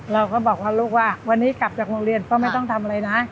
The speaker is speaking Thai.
เราก็บอกว่าลูกว่าวันนี้กลับจากโรงเรียนก็ไม่ต้องทำอะไรนะ